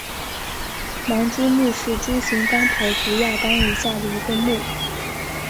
盲蛛目是蛛形纲跑足亚纲以下的一个目。